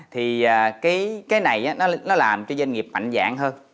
thì cái này nó làm cho doanh nghiệp mạnh dạng hơn